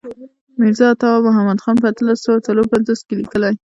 میرزا عطا محمد خان په اتلس سوه څلور پنځوس کې لیکلی.